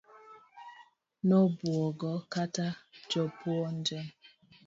Nobuogo kata jopuonje.